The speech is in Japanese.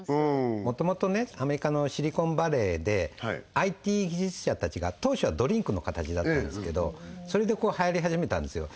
元々ねアメリカのシリコンバレーでＩＴ技術者たちが当初ドリンクの形だったんですけどそれではやり始めたんですよ